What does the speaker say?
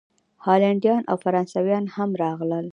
هالینډیان او فرانسویان هم راغلل.